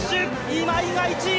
今井が１位！